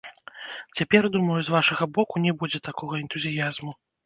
Цяпер, думаю, з вашага боку не будзе такога энтузіязму.